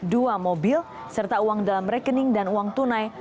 dua mobil serta uang dalam rekening dan uang tunai